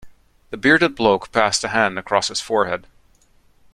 The bearded bloke passed a hand across his forehead.